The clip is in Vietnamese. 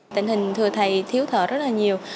tình hình thừa thầy thiếu thở rất là nhiều